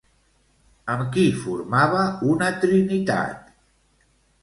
Amb qui formava una trinitat?